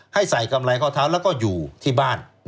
ให้ใส่กำไรข้อเท้าแล้วก็อยู่ที่บ้าน